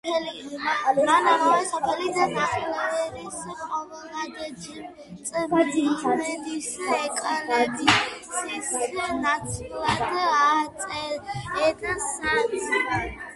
მან ამავე სოფელში დანგრეული ყოვლადწმინდის ეკლესიის ნაცვლად ააშენა საძვალე.